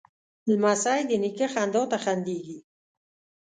لمسی د نیکه خندا ته خندېږي.